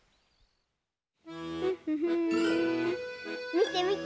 みてみて。